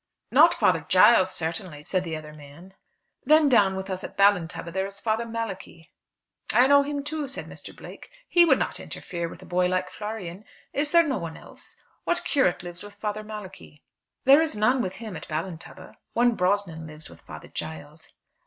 "Not Father Giles certainly," said the other man. "Then down with us at Ballintubber there is Father Malachi." "I know him too," said Mr. Blake. "He would not interfere with a boy like Florian. Is there no one else? What curate lives with Father Malachi?" "There is none with him at Ballintubber. One Brosnan lives with Father Giles."